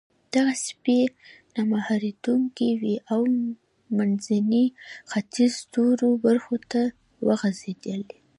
دغه څپې نه مهارېدونکې وې او منځني ختیځ نورو برخو ته وغځېدې.